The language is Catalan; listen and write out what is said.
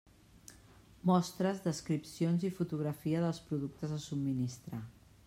Mostres, descripcions i fotografia dels productes a subministrar.